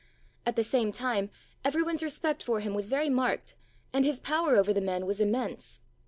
At the same time every one's respect for him was very marked and his power over the men was immense.